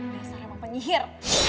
desa memang penyihir